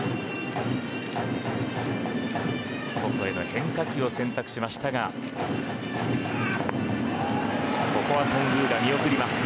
外への変化球を選択しましたがここは頓宮が見送ります。